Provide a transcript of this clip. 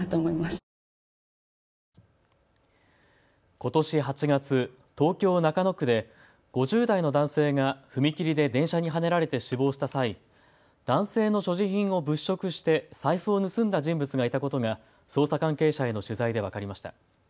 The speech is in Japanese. ことし８月、東京中野区で５０代の男性が踏切で電車にはねられて死亡した際、男性の所持品を物色して財布を盗んだ人物がいたことが捜査関係者への取材で分かりました。